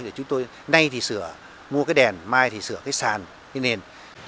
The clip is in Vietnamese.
để chúng tôi nay thì sửa mua cái đèn mai thì sửa cái sàn cái nền